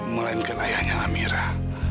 melainkan ayahnya amirah